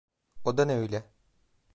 O da ne öyle?